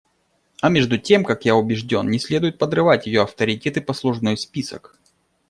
А между тем, как я убежден, не следует подрывать ее авторитет и послужной список.